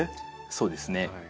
そうですね。